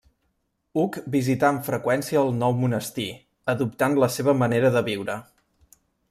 Hug visità amb freqüència el nou monestir, adoptant la seva manera de viure.